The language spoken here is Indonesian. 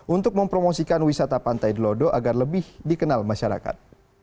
untuk mempromosikan wisata pantai delodo agar lebih dikenal masyarakat